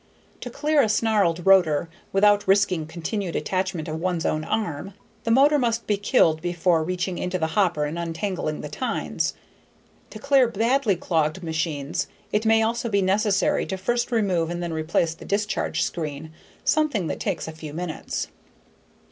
To clear a snarled rotor without risking continued attachment of one's own arm, the motor must be killed before reaching into the hopper and untangling the tines. To clear badly clogged machines it may also be necessary to first remove and then replace the discharge screen, something that takes a few minutes.